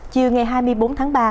chiều ngày hai mươi bốn tháng ba